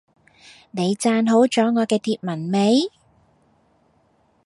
你讚好咗我嘅貼文未？